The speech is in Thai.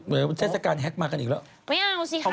วันเทศกาลแฮกมากันอีกแล้ว